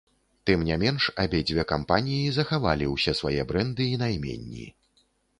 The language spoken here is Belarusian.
Тым не менш, абедзве кампаніі захавалі ўсе свае брэнды і найменні.